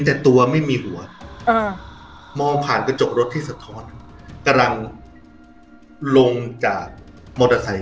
แต่ตัวไม่มีหัวมองผ่านกระจกรถที่สะท้อนกำลังลงจากมอเตอร์ไซค์